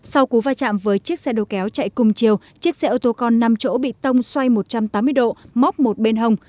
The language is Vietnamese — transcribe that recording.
sau cú va chạm với chiếc xe đồ kéo chạy cùng chiều chiếc xe ô tô con năm chỗ bị tông xoay một trăm tám mươi độ móc một bên hồng